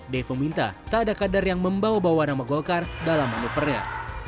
dev meminta tak ada kader yang membawa bawa nama golkar dalam manuvernya